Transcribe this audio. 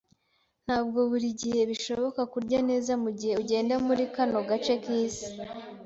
Ntabwo buri gihe bishoboka kurya neza mugihe ugenda muri kano gace kisi.